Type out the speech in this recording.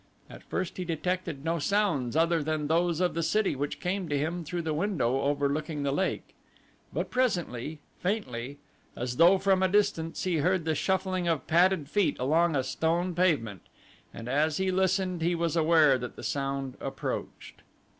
At first he detected no sounds other than those of the city that came to him through the window overlooking the lake; but presently, faintly, as though from a distance he heard the shuffling of padded feet along a stone pavement, and as he listened he was aware that the sound approached.